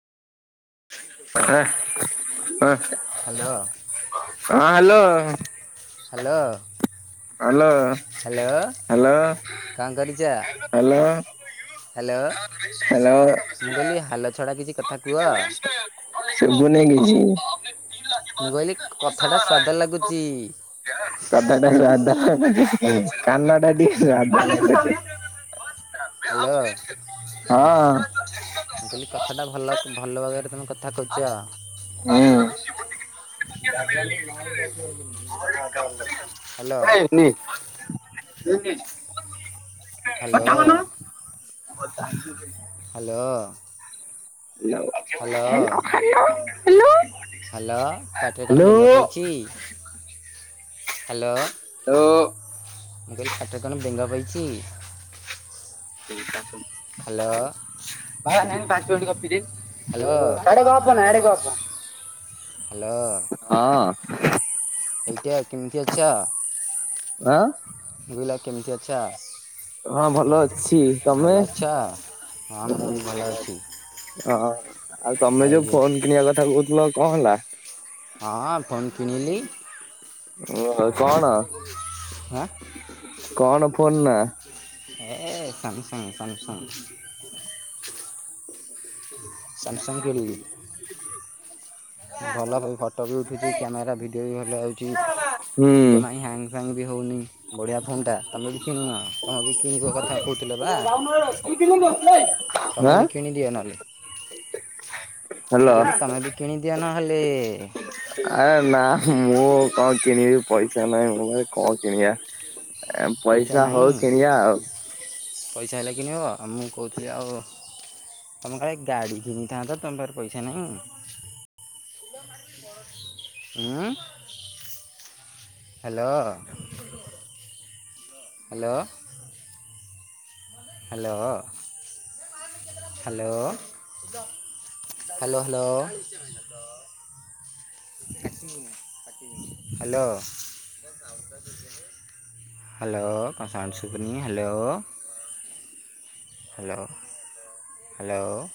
ହାଁ, ହ୍ୟାଲୋ ହଁ hello. Hello. Hello, hello, କଣ ହାଲୋ। ହାଲୋ। ମୁଁ କହିଲି ହାଲୋ ଛଡ଼ା କିଛି କଥା କୁହ ଶୁଭୁନି କିଛି। [inaudible] ମୁଁ କହିଲି କଥାଟା ସ୍ୱାଦ ଲାଗୁଛି କଥା ଡ଼ା ସୁଆଦ ଲାଗୁଚି, କାନଟା ଟି ସୁଆଦ ଲାଗୁଛି। ହ୍ୟାଲୋ ହଁ। ମୁଁ କହିଲି କଥାଟା ଭଲ, ଭଲ ଭାବରେ ତମେ କଥା କହୁଚ। ବ୍ୟାଗ୍ ଗ୍ରାଉଣ୍ଡ ନଏଜ୍ ଆସିବନି ଯେମିତି ସେମିତି କଥା ବାର୍ତ୍ତା ହବ। ହାଲୋ। ଶୁଭୁନି। Hello. [unintelligible] Hello. Hello, hello, hello, hello. Hello ପାଟିରେ କଣ ବେଙ୍ଗ ପଇଚି? ହାଲୋ। ମୁଁ କହିଲି ପାଟିରେ କଣ ବେଙ୍ଗ ପଇଛି? [inaudible] ହାଲୋ। ଭାଇ ନେନି ପାଞ୍ଚ ମିନିଟ୍ ଗପି ଦିଏ। ହାଲୋ। ସାଡେ ଗପେନା ଆଡେ ଗପ। ହ୍ୟାଲୋ ହଁ। ଏଇଟା ଆଉ କେମିତି ଅଛ? ଆ। ମୁ କହିଲି ଆଉ କେମିତି ଅଛ? ହଁ ଭଲ ଅଛି। ତମେ? ଭଲ ଅଛ ହଁ ମୁଁ ବି ଭଲ ଅଛି ଓହୋ। ଆଉ ତମେ ଯୋଉ ଫୋନ୍ କିଣିବା କଥା କହୁଥିଲ କଣ ହେଲା? ହଁ ଫୋନ୍ କିଣିିଲି। ଓହୋ। କଣ, ହଁ କଣ ଫୋନ୍ ନା? ଏ ସାମସଙ୍ଗ ସାମସଙ୍ଗ। ସାମସଙ୍ଗ କିଣିଲି [inaudible] ଭଲ ବି ଫଟୋ ବି ଉଠୁଛି। କ୍ୟାମେରା ଭିଡ଼ିଓ ବି ଭଲ ଆଉଛି ହୁଁ ଜମା ହ୍ୟାଙ୍ଗ୍ ଫାଙ୍ଗ ବି ହୋଉନି ବଢିଆ ଫୋନ୍ ଟା ତମେ ବି କିଣିବ, ତମେ ବି କିଣିବ କଥା କହୁଥିଲ ବା? ତମେ ଆଁ ବି କିଣିଦିଅ ନହଲେ। ମୁଁ ହ୍ୟାଲୋ। କହିଲି ତମେ ବି କିଣି ନହେଲେ ଆରେ ନା ମୁଁ କଣ କିଣିବି, ପଇସା ନାହିଁ ମୁଁ ଭାଇ କଣ କିଣିବା। ଏ ପଇସା ହଉ କିଣିଆ ଆଉ। ପଇସା ହେଲେ କିଣିବ, ଆଉ ମୁଁ କହୁଥିଲି ଆଉ ତମେ କାଳେ ଗାଡି କିଣିଥାନ୍ତ, ତମ ପାଖେରେ ପଇସା ନାହିଁ? ଉଁ ହାଲୋ। ହାଲୋ। ହାଲୋ। ହାଲୋ-ହାଲୋ-ହାଲୋ। ହେଁ ହାଲୋ। ହାଲୋ କଣ ସାଉଣ୍ଡ ସୁୁବୁନି, ହାଲୋ। ହାଲୋ-ହାଲୋ।